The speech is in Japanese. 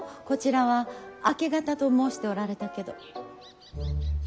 こちらは明け方と申しておられたけど。